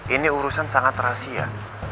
ini urusan sangat rahasia